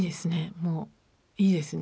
もういいですね。